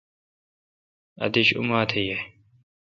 آتش اوماتھ ییں۔